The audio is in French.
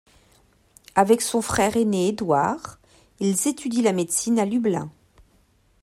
Avec son frère ainé Édouard, ils étudient la médecine à Lublin.